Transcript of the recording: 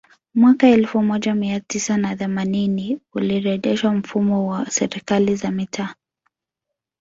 Mwaka elfu moja mia tisa na themanini ulirejeshwa mfumo wa Serikali za Mitaa